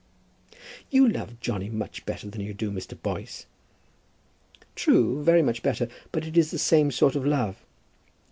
"You love Johnny much better than you do Mr. Boyce." "True; very much better; but it is the same sort of love.